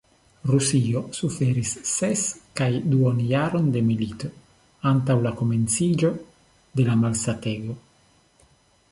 Rusio suferis ses kaj duonjaron je milito, antaŭ komenciĝo de la malsatego.